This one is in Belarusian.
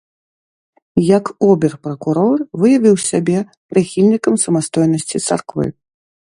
Як обер-пракурор, выявіў сябе прыхільнікам самастойнасці царквы.